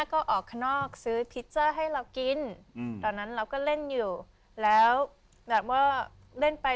ก็ออกข้างนอกซื้อพิสเซอร์ให้เรากินตอนนั้นเราก็เล่นอยู่แล้วแบบว่าเล่นไป